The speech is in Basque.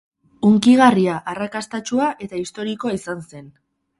Hunkigarria, arrakastatsua eta historikoa izan zen.